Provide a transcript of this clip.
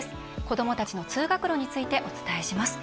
子どもたちの通学路についてお伝えします。